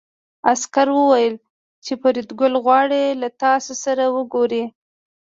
عسکر وویل چې فریدګل غواړي له تاسو سره وګوري